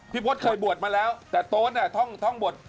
พี่โพธเคยบวชมาแล้วแต่โต๊ธอ่ะท่องบวช